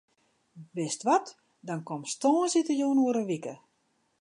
Wist wat, dan komst tongersdeitejûn oer in wike.